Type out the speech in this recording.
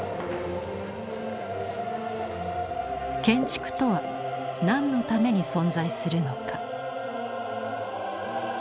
建築とは何のために存在するのか。